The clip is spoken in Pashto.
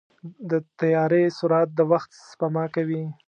د طیارې سرعت د وخت سپما کوي.